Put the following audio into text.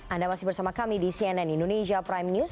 anda masih bersama kami di cnn indonesia prime news